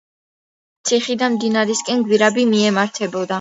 ციხიდან მდინარისაკენ გვირაბი მიემართებოდა.